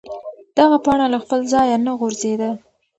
دغه پاڼه له خپل ځایه نه غورځېده.